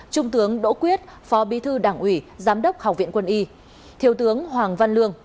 trung tướng đỗ quyết phó bí thư đảng ủy giám đốc học viện quân y thiếu tướng hoàng văn lương